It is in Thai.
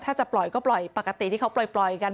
ถ้าจะปล่อยก็ปล่อยปกติที่เขาปล่อยกัน